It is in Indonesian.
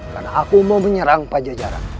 karena aku mau menyerang pak jajaran